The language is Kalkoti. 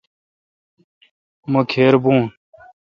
مہ کھیربؤون۔